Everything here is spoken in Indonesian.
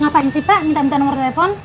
ngapain sih pak minta minta nomor telepon